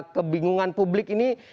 kebingungan publik ini